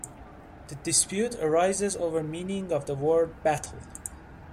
The dispute arises over meaning of the word "battle".